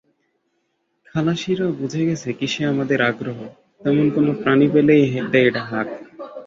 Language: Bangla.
খালাসিরাও বুঝে গেছে, কিসে আমাদের আগ্রহ, তেমন কোনো প্রাণী পেলেই দেয় হাঁক।